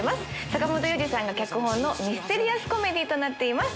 坂元裕二さんが脚本のミステリアスコメディーとなっています。